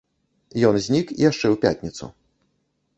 Ён знік яшчэ ў пятніцу.